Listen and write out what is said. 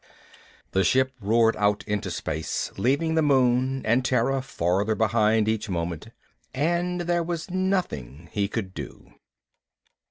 The ship roared out into space leaving the moon and Terra farther behind each moment. And there was nothing he could do.